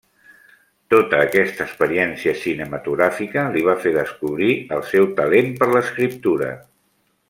Tota aquesta experiència cinematogràfica li va fer descobrir el seu talent per l'escriptura.